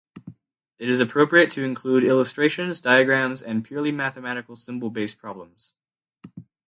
it is appropriate to include illustrations, diagrams, and purely mathematical symbol-based problems.